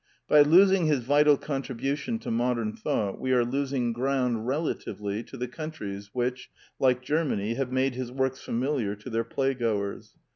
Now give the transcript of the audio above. By losing his vital contribution to modern thought we are losing ground relatively to the countries which, like Germany, have made his works famil iar to their playgoers.